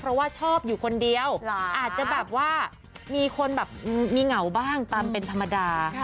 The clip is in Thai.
เพราะว่าชอบอยู่คนเดียวอาจจะแบบว่ามีคนแบบมีเหงาบ้างตามเป็นธรรมดา